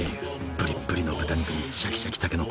ぶりっぶりの豚肉にシャキシャキたけのこ。